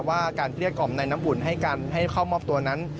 ว่าการเรียกกล่อมในน้ำอุ่นให้เข้ามอบตัวนั้น